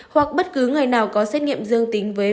hoặc bất cứ người nào có xét nghiệm dương tính với